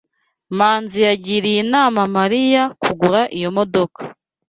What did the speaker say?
Manzi yagiriye inama Mariya kugura iyo modoka.